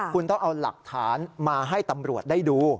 คุณต้องเอาหลักฐานมาให้ตำรวจได้ดู